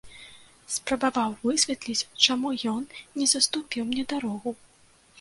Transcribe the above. Спрабаваў высветліць, чаму ён не саступіў мне дарогу.